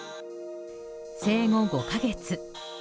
生後５か月。